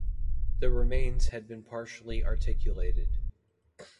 The remains had been partially articulated.